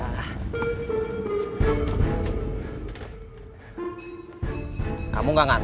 paling sebentar lagi kang